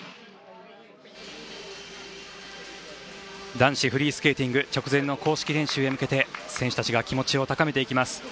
男子フリースケーティング直前の公式練習へ向けて選手たちが気持ちを高めていきます。